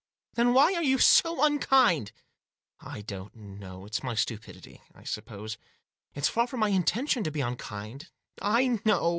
" Then why are you so unkind ?"" I don't know ; it's my stupidity, I suppose ; it's far from my intention to be unkind." " I know